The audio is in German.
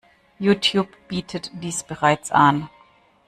Youtube bietet dies bereits an.